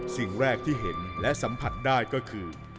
สิ่งแรกที่เห็นและสัมผัสได้ก็คือ